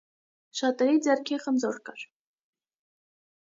Շատերի ձեռքին խնձոր կար: